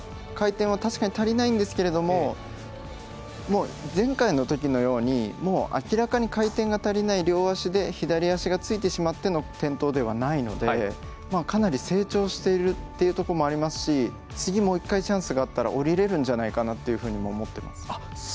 回転は確かに足りないんですけども前回のときのように明らかに回転が足りない両足で、左足がついてしまっての転倒ではないのでかなり成長しているというところもありますし次もう１回チャンスがあったら降りれるんじゃないかなとも思ってます。